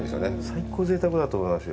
最高のぜいたくだと思います